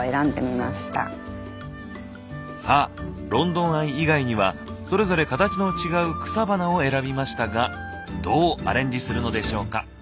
さぁロンドンアイ以外にはそれぞれカタチの違う草花を選びましたがどうアレンジするのでしょうか？